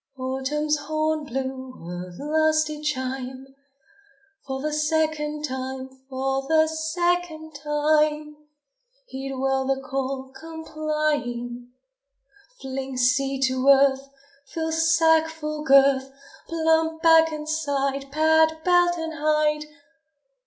Autumn's horn blew a lusty chime; For the second time, for the second time! Heed well the call, complying. Fling seed to earth! Fill sack's full girth! Plump back and side! Pad belt and hide!